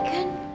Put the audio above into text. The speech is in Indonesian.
ma aku mau pergi